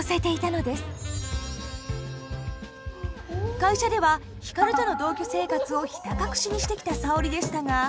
会社では光との同居生活をひた隠しにしてきた沙織でしたが。